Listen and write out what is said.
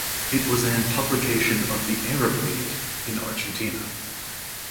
It was an publication of the Arab League in Argentina.